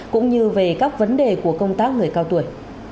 cũng như về các vấn đề của công tác người cao tuổi